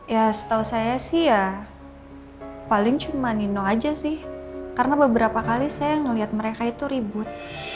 ya setahu saya sih ya paling cuma nino aja sih karena beberapa kali saya melihat mereka itu ribut